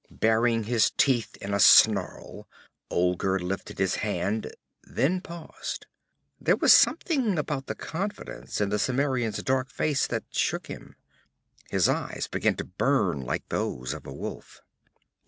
Baring his teeth in a snarl, Olgerd lifted his hand then paused. There was something about the confidence in the Cimmerian's dark face that shook him. His eyes began to burn like those of a wolf.